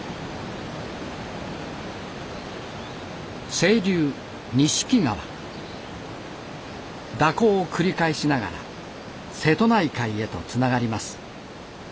清流蛇行を繰り返しながら瀬戸内海へとつながります。